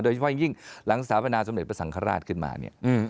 โดยเฉพาะยังยิ่งหลังสรรพนาสมเด็จประสังครราชขึ้นมาเนี่ย